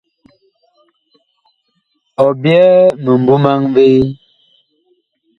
Ɔ byɛɛ mimbu maŋ vee ?